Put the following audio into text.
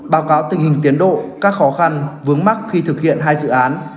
báo cáo tình hình tiến độ các khó khăn vướng mắt khi thực hiện hai dự án